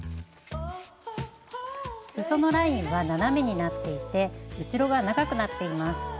すそのラインは斜めになっていて後ろが長くなっています。